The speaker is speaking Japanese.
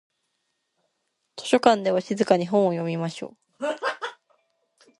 図書館では静かに本を読みましょう。